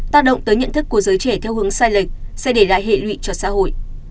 tác động tới nhận thức của giới trẻ theo hướng sai lệch sẽ để lại hệ lụy cho xã hội